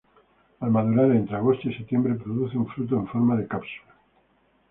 Al madurar, entre agosto y septiembre, produce un fruto en forma de cápsula.